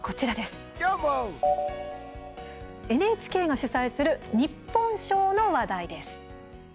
ＮＨＫが主催する日本賞の話題です。